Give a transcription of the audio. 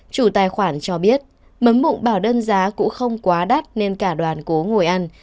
chủ tài khoản cho biết mấm mụng bảo đơn giá cũng không quá đắt nên cả đoàn cố ngồi ăn